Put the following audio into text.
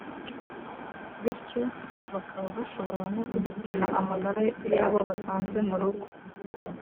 bityo bakaba bashobora no guhitana amagara y’abo basanze mu rugo